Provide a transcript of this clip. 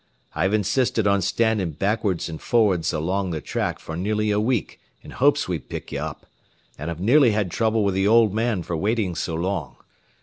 I've insisted on standing backwards an' forrads along the track for nearly a week in hopes we'd pick ye up, an' I've nearly had trouble with the old man for waiting so long.